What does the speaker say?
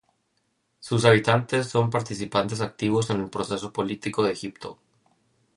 Sus habitantes son participantes activos en el proceso político de Egipto.